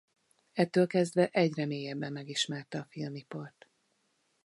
Ettől kezdve egyre mélyebben megismerte a filmipart.